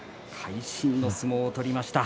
会心の相撲を取りました。